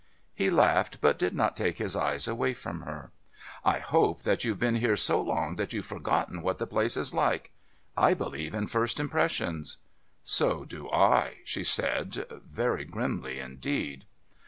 He laughed, but did not take his eyes away from her. "I hope that you've been here so long that you've forgotten what the place is like. I believe in first impressions." "So do I," she said, very grimly indeed.